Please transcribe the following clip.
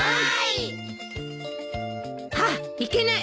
はっいけない！